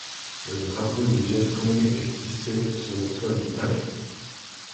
Le drapeau du Việt Cộng est hissé sur le toit du palais.